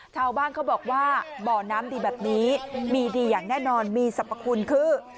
ชาวบ้านเขาบอกว่าบ่อน้ำดีแบบนี้มีดีอย่างแน่นอนมีสรรพคุณคือ